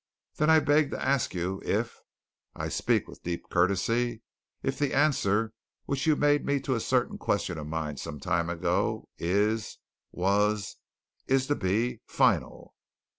Then I beg to ask you if I speak with deep courtesy! if the answer which you made to a certain question of mine some time ago is was is to be final?"